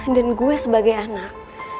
dan gue sebagai anak